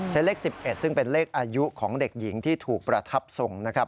เลข๑๑ซึ่งเป็นเลขอายุของเด็กหญิงที่ถูกประทับทรงนะครับ